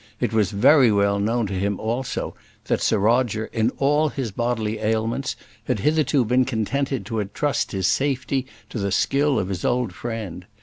It was very well known to him also, that Sir Roger, in all his bodily ailments, had hitherto been contented to entrust his safety to the skill of his old friend.